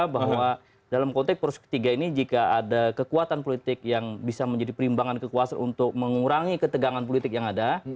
bahwa dalam konteks poros ketiga ini jika ada kekuatan politik yang bisa menjadi perimbangan kekuasaan untuk mengurangi ketegangan politik yang ada